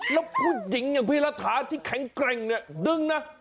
แล้วผู้หญิงอย่างพี่รัฐาที่แข็งแกร่งเนี่ยดึงนะ